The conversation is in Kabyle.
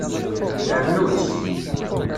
Rnu-tt.